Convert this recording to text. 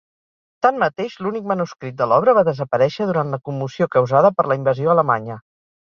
Tanmateix, l'únic manuscrit de l'obra va desaparèixer durant la commoció causada per la invasió alemanya.